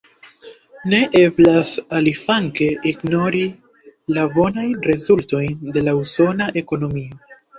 Ne eblas aliflanke ignori la bonajn rezultojn de la usona ekonomio.